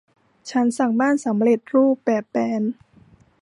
ฉันสั่งบ้านสำเร็จรูปแบบแบน